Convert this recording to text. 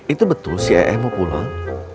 itu betul si ayah mau pulang